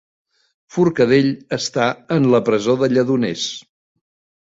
Forcadell està en la presó de Lledoners